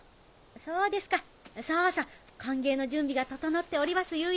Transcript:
そうですかさぁさ歓迎の準備が整っておりますゆえ。